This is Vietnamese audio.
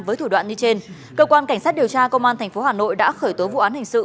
với thủ đoạn như trên cơ quan cảnh sát điều tra công an tp hà nội đã khởi tố vụ án hình sự